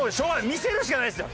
見せるしかないですよ。